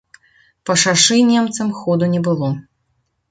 Па шашы немцам ходу не было.